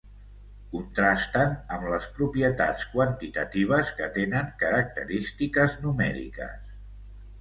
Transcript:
Contrasten amb les propietats quantitatives que tenen característiques numèriques.